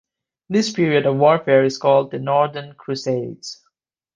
This period of warfare is called the Northern Crusades.